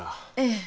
ええ。